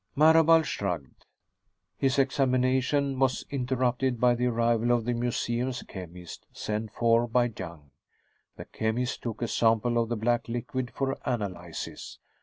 Marable shrugged. His examination was interrupted by the arrival of the museum's chemist, sent for by Young. The chemist took a sample of the black liquid for analysis.